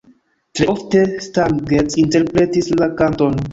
Tre ofte Stan Getz interpretis la kanton.